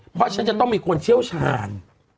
เพราะฉันจะต้องมีคนเชี่ยวชาญ